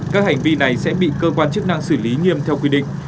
các hành vi này sẽ bị cơ quan chức năng xử lý nghiêm theo quy định